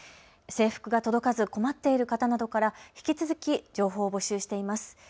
制服が届かず困っている方などから引き続き情報を募集しています。